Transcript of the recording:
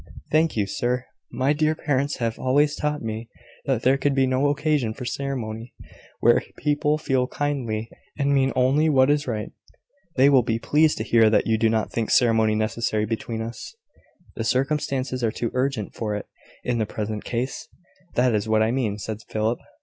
"Thank you, sir. My dear parents have always taught me that there could be no occasion for ceremony where people feel kindly, and mean only what is right. They will be pleased to hear that you do not think ceremony necessary between us." "The circumstances are too urgent for it in the present case; that is what I mean," said Philip.